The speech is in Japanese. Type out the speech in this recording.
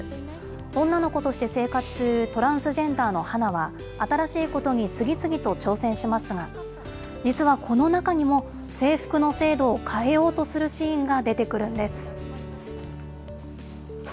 女の子として生活するトランスジェンダーのハナは、新しいことに次々と挑戦しますが、実はこの中にも、制服の制度を変えようとするシーンが出てくるんです。